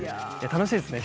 楽しいですね